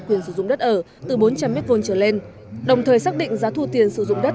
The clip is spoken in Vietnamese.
quyền sử dụng đất ở từ bốn trăm linh m trở lên đồng thời xác định giá thu tiền sử dụng đất